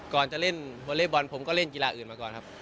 ก่อนจะเล่นวอเล็กบอลผมก็เล่นกีฬาอื่นมาก่อนครับ